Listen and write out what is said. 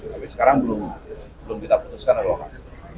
tapi sekarang belum belum kita putuskan direlokasi